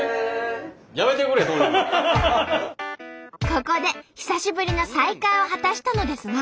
ここで久しぶりの再会を果たしたのですが。